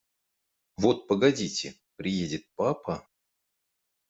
Вот погодите, приедет папа…